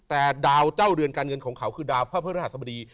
แต่ดาวเจ้าเรือนการเงินของเขาคือดาวพระพฤหัสบดี